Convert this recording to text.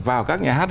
vào các nhà hát